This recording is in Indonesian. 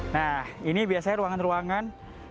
nah ini biasanya ruangan ruangan